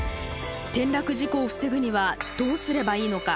転落事故を防ぐにはどうすればいいのか。